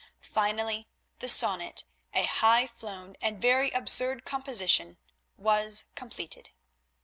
Finally the sonnet, a high flown and very absurd composition, was completed.